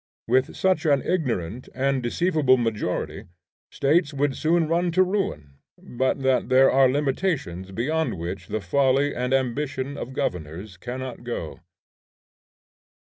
With such an ignorant and deceivable majority, States would soon run to ruin, but that there are limitations beyond which the folly and ambition of governors cannot go.